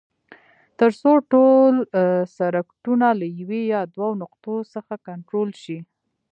تر څو ټول سرکټونه له یوې یا دوو نقطو څخه کنټرول شي.